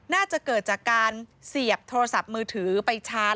น่าจะเกิดจากการเสียบโทรศัพท์มือถือไปชาร์จ